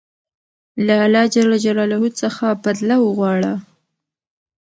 له الله ج څخه بدله وغواړه.